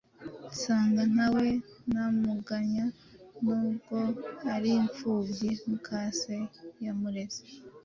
nsanga ntawe namunganya. Nubwo ari imfubyi, mukase yamureze